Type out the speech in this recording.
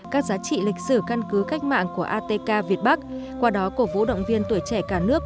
các giá trị lịch sử căn cứ cách mạng của atk việt bắc qua đó cổ vũ động viên tuổi trẻ cả nước